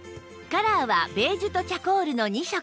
カラーはベージュとチャコールの２色